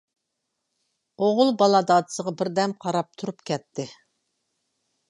ئوغۇل بالا دادىسىغا بىردەم قاراپ تۇرۇپ كەتتى.